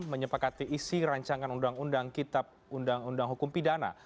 menyepakati isi rancangan undang undang kitab undang undang hukum pidana